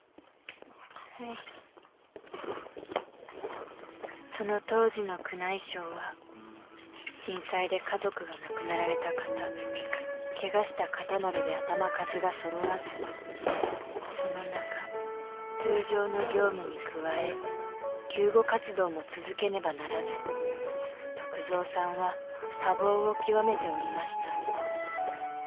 はいその当時の宮内省は震災で家族が亡くなられた方ケガした方などで頭数が揃わずその中通常の業務に加え救護活動も続けねばならず篤蔵さんは多忙を極めておりました